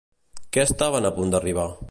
Què estaven a punt d'arribar?